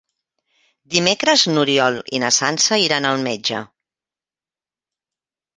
Dimecres n'Oriol i na Sança iran al metge.